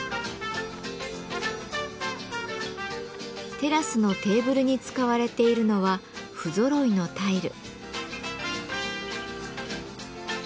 テラスのテーブルに使われているのは不ぞろいのタイル。